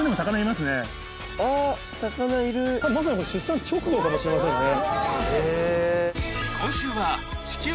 まさにこれ出産直後かもしれませんね。